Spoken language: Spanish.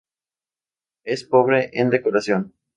Es pobre en decoración.